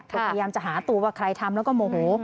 ก็พยายามจะหาตัวว่าใครทำแล้วก็โมโห